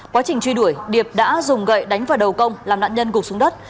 quá trình truy đuổi điệp đã dùng gậy đánh vào đầu công làm nạn nhân gục xuống đất